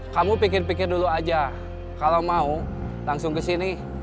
kamu pikir pikir dulu aja kalau mau langsung kesini